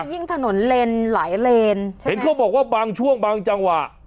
ยิ่งถนนเลนหลายเลนเห็นเขาบอกว่าบางช่วงบางจังหวะ